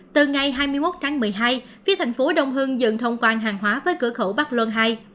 từ ngày hai mươi một tháng một mươi hai phía thành phố đông hương dựng thông quan hàng hóa với cửa khẩu bắc luân hai